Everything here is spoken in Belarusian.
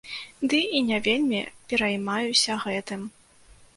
Ды і не вельмі пераймаюся гэтым.